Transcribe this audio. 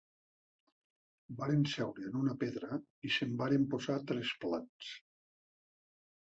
Varen seure en una pedra, i se'n varen posar tres plats